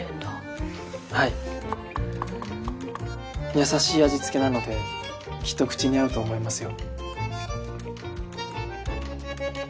優しい味付けなのできっとお口に合うと思いますよ。